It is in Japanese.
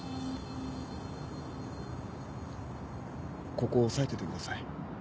ここ押さえててください。